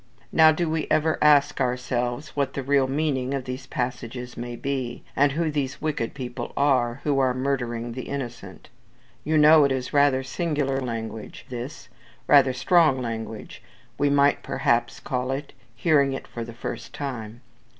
Now, do we ever ask ourselves what the real meaning of these passages may be, and who these wicked people are, who are "murdering the innocent?" You know it is rather singular language this! rather strong language, we might, perhaps, call it hearing it for the first time.